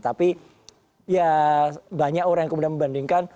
tapi ya banyak orang yang kemudian membandingkan